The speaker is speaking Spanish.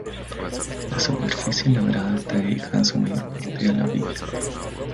La superficie labrada está dedicada en su mayor parte a la vid.